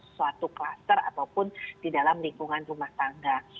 suatu kluster ataupun di dalam lingkungan rumah tangga